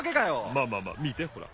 まあまあまあみてほら？